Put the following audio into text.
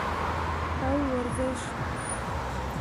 او ورزش